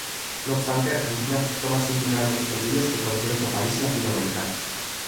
No obstante, Argentina aceptó más inmigrantes judíos que cualquier otro país latinoamericano.